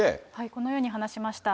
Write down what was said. このように話しました。